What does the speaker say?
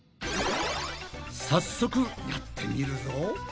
早速やってみるぞ。